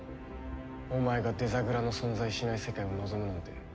お前がデザグラの存在しない世界を望むなんて。